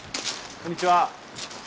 こんにちは。